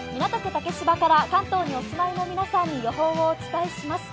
竹芝から関東にお住まいの皆さんに予報をお伝えします。